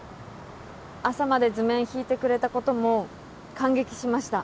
朝まで図面引いてくれたことも感激しました。